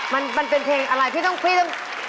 มันเป็นเพลงอะไรพี่ต้องพี่ต้อง